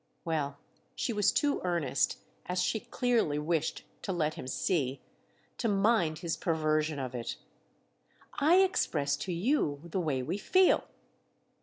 Well, she was too earnest—as she clearly wished to let him see—to mind his perversion of it. "I express to you the way we feel."